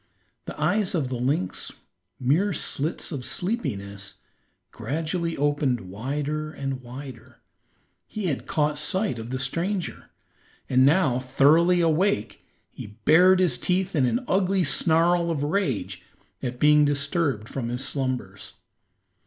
The eyes of the lynx, mere slits of sleepiness, gradually opened wider and wider. He had caught sight of the stranger, and now thoroughly awake he bared his teeth in an ugly snarl of rage at being disturbed from his slumbers.